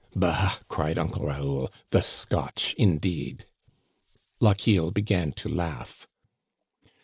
" Bah !" cried Uncle Raoul, *' the Scotch, in deed !" Lochiel began to laugh.